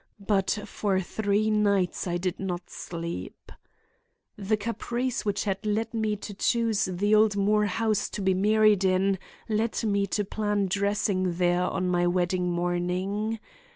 But for three nights I did not sleep. "The caprice which had led me to choose the old Moore house to be married in led me to plan dressing there on my wedding morning.